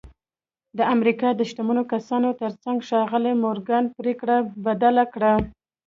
د امریکا د شتمنو کسانو ترڅنګ ښاغلي مورګان پرېکړه بدله کړه